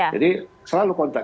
jadi selalu kontak